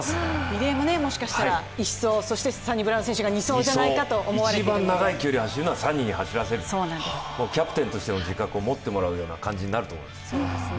リレーももしかしたらサニブラウン選手が２走じゃないかと１番長い距離をサニーに走らせるキャプテンとしての自覚を持ってもらうような感じになると思います。